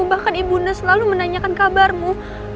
bahkan ibunda selalu menanyakan kabarmu